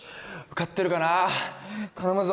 ・受かってるかな？